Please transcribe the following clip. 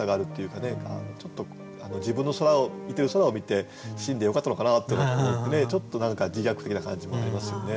ちょっと自分の見てる空を見て死んでよかったのかなとちょっと自虐的な感じもありますよね。